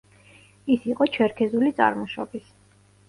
ის იყო ჩერქეზული წარმოშობის.